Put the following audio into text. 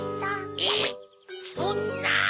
えっそんな！